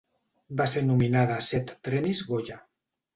Va ser nominada a set premis Goya.